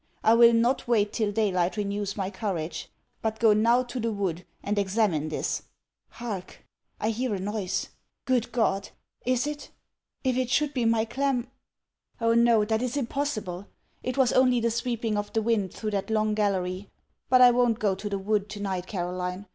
I will not wait till day light renews my courage; but go now to the wood, and examine this Hark! I hear a noise! Good God! Is it? If it should be my Clem Oh no! that is impossible! It was only the sweeping of the wind through that long gallery. But I won't go to the wood to night, Caroline.